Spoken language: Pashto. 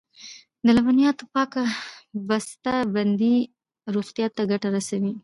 د لبنیاتو پاکه بسته بندي روغتیا ته ګټه رسوي.